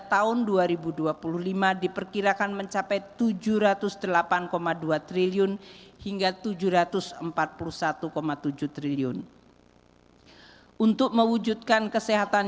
tahun dua ribu dua puluh lima diperkirakan mencapai tujuh ratus delapan dua triliun hingga tujuh ratus empat puluh satu tujuh triliun untuk mewujudkan kesehatan